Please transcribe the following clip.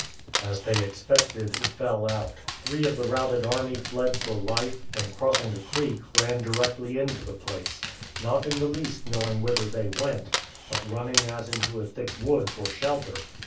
As they expected it fell out; three of the routed army fled for life, and crossing the creek, ran directly into the place, not in the least knowing whither they went, but running as into a thick wood for shelter.